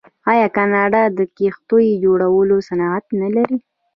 آیا کاناډا د کښتیو جوړولو صنعت نلري؟